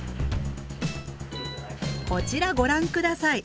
こちらご覧下さい。